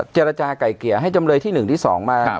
เจรจาไก่เกลี่ยให้จำเลยที่๑ที่๒มา